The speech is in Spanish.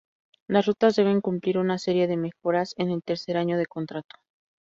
Las rutas deben cumplir una serie de mejoras en el tercer año de contrato.